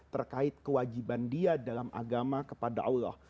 terkait kewajiban dia dalam agama kepada allah